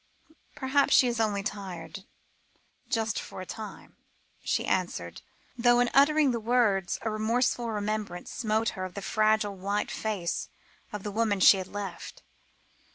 "Perhaps she is only tired just for the time," she answered, though in uttering the words a remorseful remembrance smote her of the fragile white face of the woman she had left.